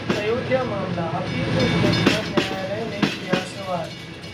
अयोध्या मामला: अपील में विलम्ब पर न्यायालय ने किया सवाल